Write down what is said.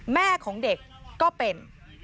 แม่ของเด็กก็เป็น